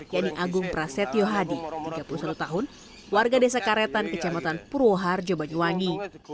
yeni agung prasetyo hadi tiga puluh satu tahun warga desa karetan kecamatan purwohar jobanyuwangi